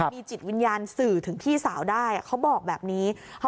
มีจิตวิญญาณสื่อถึงพี่สาวได้เขาบอกแบบนี้